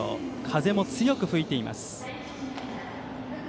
風も強く吹いています。